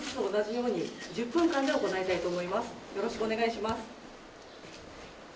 よろしくお願いします。